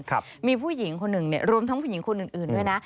ครับมีผู้หญิงคนหนึ่งเนี่ยรวมทั้งผู้หญิงคนอื่นด้วยนะ